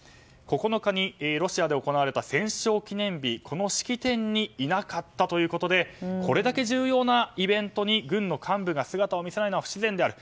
９日にロシアで行われた戦勝記念日、この式典にいなかったということでこれだけ重要なイベントに軍の幹部が姿を見せないのは不自然である。